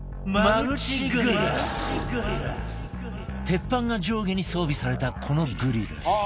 鉄板が上下に装備されたこのグリル